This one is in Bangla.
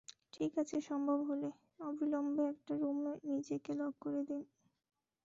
ঠিক আছে, সম্ভব হলে, অবিলম্বে একটা রুমে নিজেকে লক করে নিন।